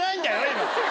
今。